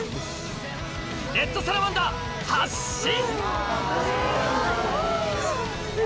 レッドサラマンダー発進！